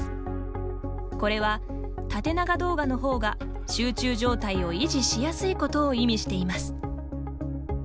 これは、縦長動画のほうが集中状態を維持しやすいことを意味しています。